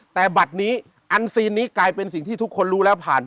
แต่บัตรนี้อันซีนนี้กลายเป็นสิ่งที่ทุกคนรู้แล้วผ่าน